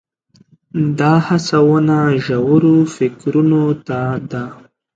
دا هڅونه ژورو فکرونو ته ده.